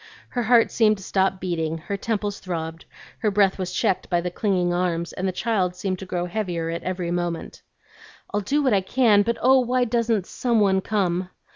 Her heart seemed to stop beating, her temples throbbed, her breath was checked by the clinging arms, and the child, seemed to grow heavier every moment. "I'll do what I can, but, oh, why don't some one come?"